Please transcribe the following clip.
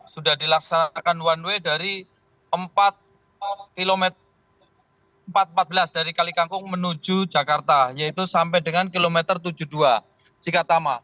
sudah dilaksanakan one way dari empat km empat ratus empat belas dari kalikangkung menuju jakarta yaitu sampai dengan kilometer tujuh puluh dua cikatama